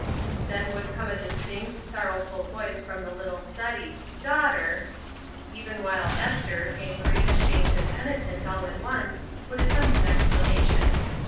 Then would come a distinct, sorrowful voice from the Uttle study, ''Daughter!" even while Esther, angry, ashamed, and penitent all at once, would attempt an explanation.